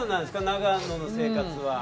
長野の生活は。